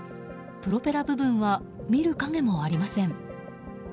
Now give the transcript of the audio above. プロペラ部分は見る影もありません。